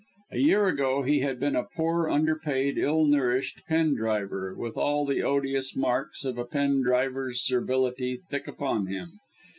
A year ago he had been a poor, underpaid, ill nourished pen driver, with all the odious marks of a pen driver's servility thick upon him.